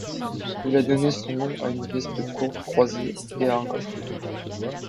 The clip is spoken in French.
Il a donné son nom à une veste courte croisée et à un golfe.